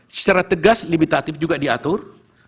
secara tegas libitatif juga diatur